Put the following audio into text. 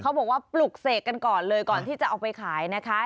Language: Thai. บอกว่าปลุกเสกกันก่อนเลยก่อนที่จะเอาไปขายนะคะ